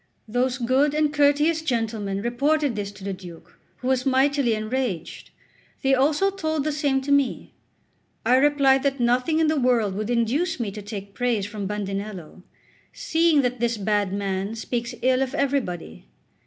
Those good and courteous gentlemen reported this to the Duke, who was mightily enraged; they also told the same to me. I replied that nothing in the world would induce me to take praise from Bandinello, "seeing that this bad man speaks ill of everybody."